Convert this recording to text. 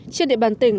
trên địa bàn tỉnh